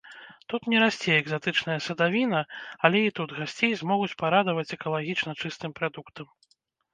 Тут не расце экзатычныя садавіна, але і тут гасцей змогуць парадаваць экалагічна чыстым прадуктам.